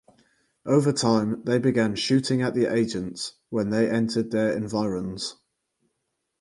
Over time they began shooting at the agents when they entered their environs.